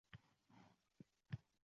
Xolimizga shayton kulmasin